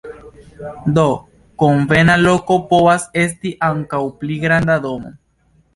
Do, konvena loko povas esti ankaŭ pli granda domo.